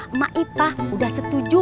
emak ipah udah setuju